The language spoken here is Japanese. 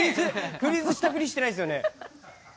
フリーズした振りしてないですよね。